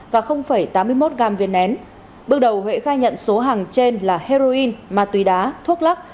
và tám mươi một g viên nén bước đầu huệ khai nhận số hàng trên là heroin ma túy đá thuốc lắc